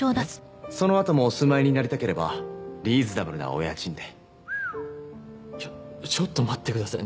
そのあともお住まいになりたければリーズナブルなお家賃でちょちょっと待ってください